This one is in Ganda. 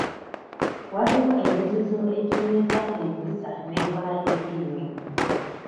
Waliwo emizizo eginyweza empisa n'enkola y'eddiini.